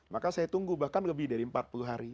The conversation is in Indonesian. maka saya tunggu bahkan lebih dari empat puluh hari